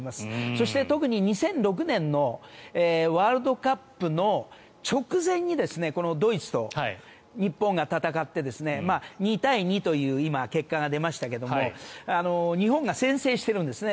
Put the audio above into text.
そして、特に２００６年のワールドカップの直前にこのドイツと日本が戦って２対２という今、結果が出ましたけれど日本が先制してるんですね。